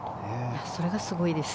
それがすごいです。